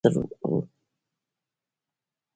د مایا یو شمېر ښارونه ډېر ستر وو.